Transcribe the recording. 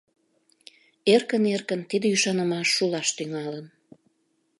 Эркын-эркын тиде ӱшанымаш шулаш тӱҥалын.